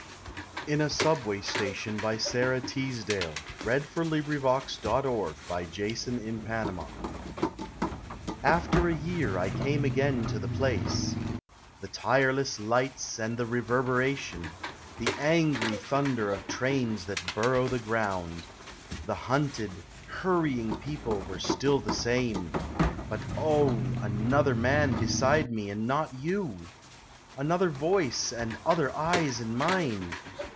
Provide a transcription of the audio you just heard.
shakes from her hair This year's blossoms, clinging in its coils ? IN A SUBWAY STATION AFTER a year I came again to the place; The tireless lights and the reverberation, The angry thunder of trains that burrow the ground, The hunted, hurrying people were still the same But oh, another man beside me and not you! Another voice and other eyes in mine!